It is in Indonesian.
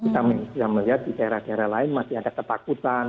kita sudah melihat di daerah daerah lain masih ada ketakutan